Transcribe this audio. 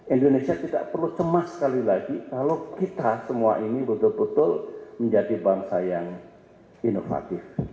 indonesia tidak perlu cemas sekali lagi kalau kita semua ini betul betul menjadi bangsa yang inovatif